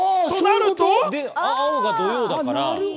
青が土曜だから。